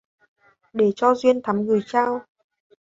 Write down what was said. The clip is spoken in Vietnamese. Để cho duyên thắm gửi trao